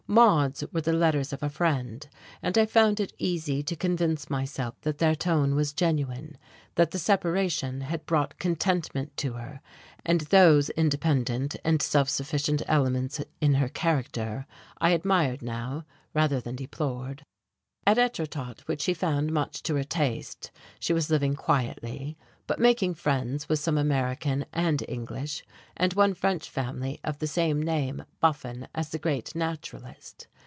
Maude's were the letters of a friend, and I found it easy to convince myself that their tone was genuine, that the separation had brought contentment to her; and those independent and self sufficient elements in her character I admired now rather than deplored. At Etretat, which she found much to her taste, she was living quietly, but making friends with some American and English, and one French family of the same name, Buffon, as the great naturalist.